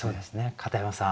片山さん